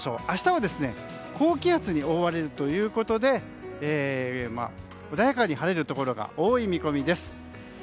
明日は高気圧に覆われるということで穏やかに晴れるところが多い見込みです。